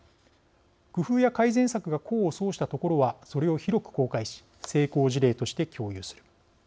工夫や改善策が功を奏したところはそれを広く公開し成功事例として共有する。